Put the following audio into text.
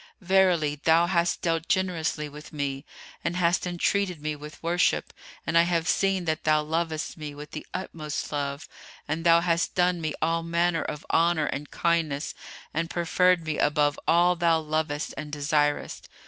Verily, thou hast dealt generously with me and hast entreated me with worship and I have seen that thou lovest me with the utmost love, and thou hast done me all manner of honour and kindness and preferred me above all thou lovest and desirest.